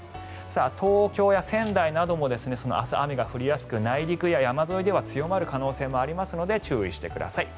東京や仙台なども明日、雨が降りやすく内陸や山沿いでは強まる可能性もありますので注意してください。